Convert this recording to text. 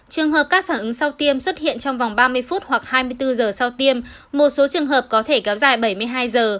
trường hợp các phản ứng sau tiêm xuất hiện trong vòng ba mươi phút hoặc hai mươi bốn giờ sau tiêm một số trường hợp có thể kéo dài bảy mươi hai giờ